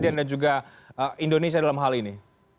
presiden dan juga indonesia dalam hal ini